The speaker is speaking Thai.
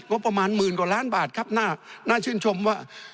ประมาณหมื่นกว่าล้านบาทครับน่าชื่นชมว่า